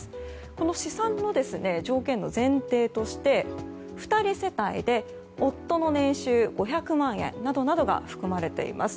この試算の条件の前提として２人世帯で夫の年収５００万円などなどが含まれています。